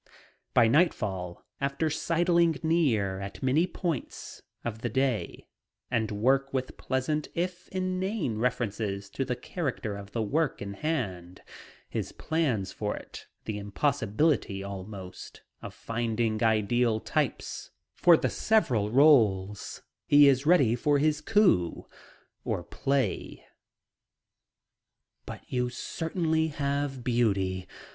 By nightfall, after sidling near at many points of the day and work with pleasant if inane references to the character of the work in hand, his plans for it, the impossibility, almost, of finding ideal types for the several roles, he is ready for his coup or play. "But you certainly have beauty.